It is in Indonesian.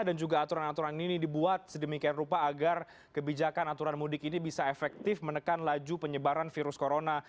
dan juga aturan aturan ini dibuat sedemikian rupa agar kebijakan aturan mudik ini bisa efektif menekan laju penyebaran virus corona